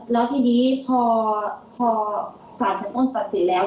แล้วทีนี้พอสารชั้นต้นตัดสินแล้ว